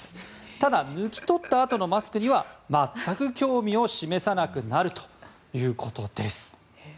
ただ抜き取ったあとのマスクには全く興味を示さなくなるということです。